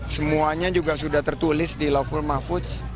semuanya juga sudah tertulis di lawful mafudz